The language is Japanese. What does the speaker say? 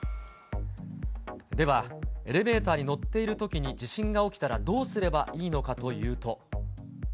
では、エレベーターに乗っているときに地震が起きたらどうすればいいのかというと。